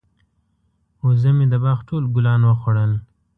وزه مې د باغ ټول ګلان وخوړل.